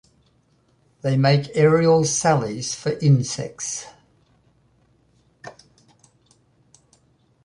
They make aerial sallies for insects.